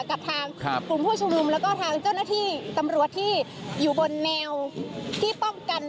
กับทางกลุ่มผู้ชุมนุมแล้วก็ทางเจ้าหน้าที่ตำรวจที่อยู่บนแนวที่ป้องกัน